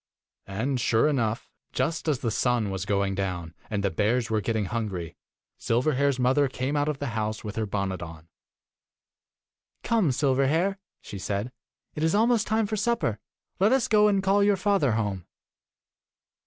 And, sure enough, just as the sun was going down, and the bears were getting hungry, Sil verhair's mother came out of the house with her bonnet on. 'Come, Silverhair,' she said. 'It is almost time for supper. Let us go and call your father home.